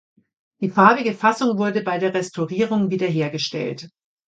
Die farbige Fassung wurde bei der Restaurierung wieder hergestellt.